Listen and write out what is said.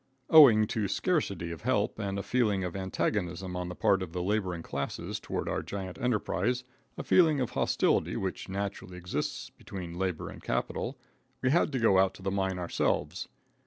Owing to scarcity of help and a feeling of antagonism on the part of the laboring classes toward our giant enterprise, a feeling of hostility which naturally exists between labor and capital, we had to go out to the mine ourselves.